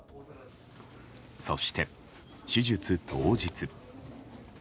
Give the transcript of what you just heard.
そして、手術当日。